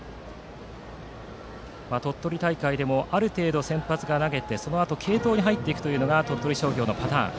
鳥取大会でもある程度、先発が投げてそのあと継投に入っていくのが鳥取商業のパターン。